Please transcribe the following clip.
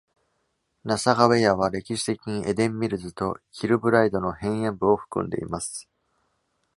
ナサガウェヤは歴史的にエデン・ミルズとキルブライドの辺縁部を含んでいます。